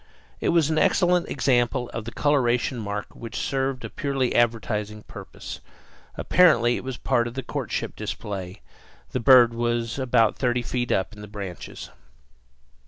It was an excellent example of a coloration mark which served a purely advertising purpose; apparently it was part of a courtship display. The bird was about thirty feet up in the branches.